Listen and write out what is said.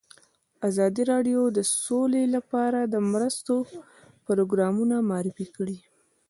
ازادي راډیو د سوله لپاره د مرستو پروګرامونه معرفي کړي.